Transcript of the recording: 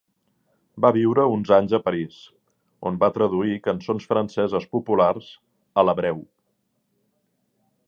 Va viure uns anys a París, on va traduir cançons franceses populars a l'hebreu.